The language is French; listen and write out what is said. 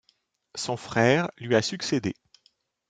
Son frère lui a succédé.